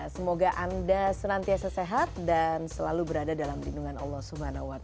semoga anda senantiasa sehat dan selalu berada dalam lindungan allah swt